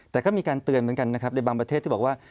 แต่ก็มีการเตือนเหมือนกันนะครับในบางประเทศที่บอกว่า